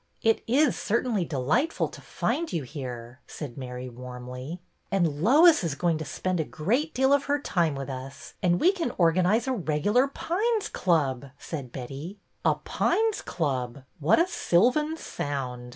" It is certainly delightful to find you here," said Mary, warmly. And Lois is going to spend a great deal of her time with us, and we can organize a regular Pines Club," said Betty. ''' A Pines Club '! What a sylvan sound